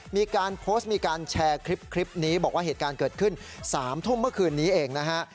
มีการโพสต์มีการแชร์คลิปนี้บอกว่าเหตุการณ์เกิดขึ้น๓ทุ่มเมื่อคืนนี้เองนะฮะ